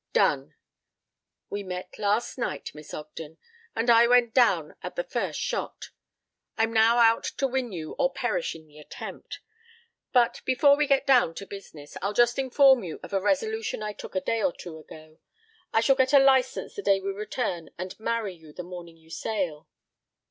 "Done. We met last night, Miss Ogden, and I went down at the first shot. I'm now out to win you or perish in the attempt. But before we get down to business I'll just inform you of a resolution I took a day or two ago. I shall get a license the day we return and marry you the morning you sail."